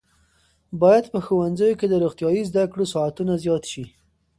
باید په ښوونځیو کې د روغتیايي زده کړو ساعتونه زیات شي.